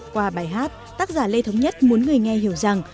qua bài hát tác giả lê thống nhất muốn người nghe hiểu rằng